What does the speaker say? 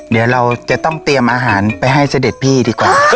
เดี๋ยวเราจะต้องเตรียมอาหารไปให้เสด็จพี่ดีกว่า